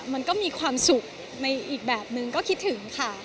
มันก็มีความสุขในอีกแบบนึงก็คิดถึงค่ะ